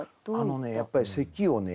やっぱり咳をね